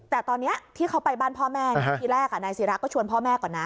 แต่ตอนนี้ที่เขาไปบ้านพ่อแม่ที่แรกนายศิราก็ชวนพ่อแม่ก่อนนะ